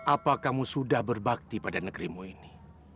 apa kamu sudah berbakti pada negerimu ini